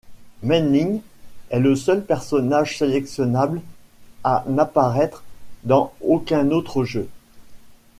Mai-Ling est le seul personnage sélectionnable à n'apparaître dans aucun autre jeu.